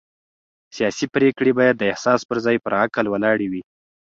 سیاسي پرېکړې باید د احساس پر ځای پر عقل ولاړې وي